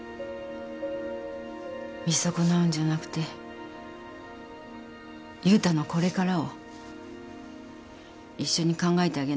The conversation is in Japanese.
見損なうんじゃなくて悠太のこれからを一緒に考えてあげな。